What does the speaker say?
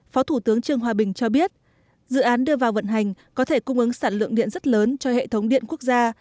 phó thủ tướng trương hòa bình cho biết dự án đưa vào vận hành có thể cung ứng sản lượng điện rất lớn cho hệ thống điện quốc gia